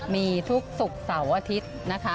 มีทุกศุกร์เสาร์อาทิตย์นะคะ